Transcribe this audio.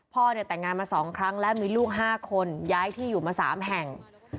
พ่อเนี่ยแต่งงานมา๒ครั้งและมีลูก๕คนย้ายที่อยู่มา๓แห่ง